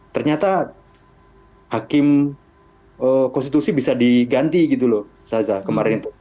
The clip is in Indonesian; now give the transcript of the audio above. ternyata hakim konstitusi bisa diganti gitu loh saza kemarin itu